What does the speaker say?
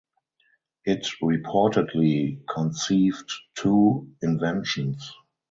It reportedly conceived two inventions.